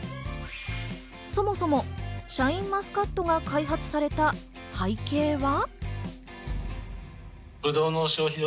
そもそもシャインマスカットが開発された背景は。